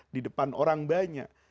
di depan orang banyak